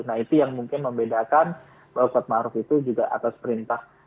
nah itu yang mungkin membedakan bahwa kuat ⁇ maruf ⁇ itu juga atas perintah